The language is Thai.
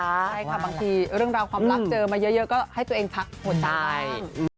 ใช่ค่ะบางทีเรื่องราวความรักเจอมาเยอะก็ให้ตัวเองพักหัวใจ